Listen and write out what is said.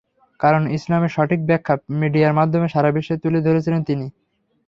কারণ ইসলামের সঠিক ব্যাখ্যা মিডিয়ার মাধ্যমে সারা বিশ্বে তুলে ধরেছিলেন তিনি।